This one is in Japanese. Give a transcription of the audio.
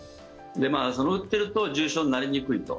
で、それを打ってると重症になりにくいと。